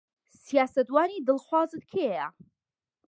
سیاسەتوانی دڵخوازت کێیە؟